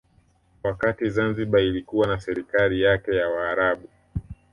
Wakati Zanzibar ilikuwa na serikali yake ya Waarabu